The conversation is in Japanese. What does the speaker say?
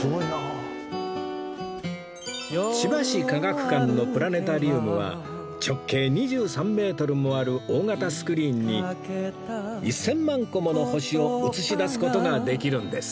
千葉市科学館のプラネタリウムは直径２３メートルもある大型スクリーンに１０００万個もの星を映し出す事ができるんです